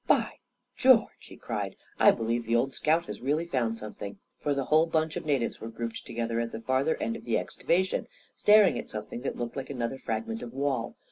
" By George I " he cried; " I believe the old scout has really found something !" for the whole bunch of natives were grouped together at the far ther end of the excavation, staring at something that looked like another fragment of wall.